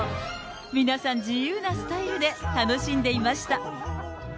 皆さん自由なスタイルで楽しんでいました。